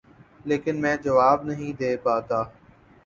لیکن میں جواب نہیں دے پاتا ۔